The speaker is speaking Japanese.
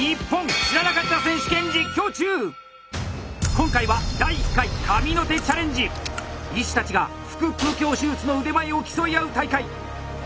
今回は医師たちが「腹腔鏡手術」の腕前を競い合う大会！